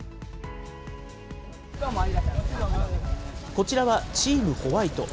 こちらは、チームホワイト。